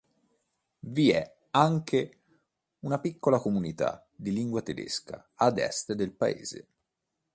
Vi è anche una piccola comunità di lingua tedesca ad est del paese.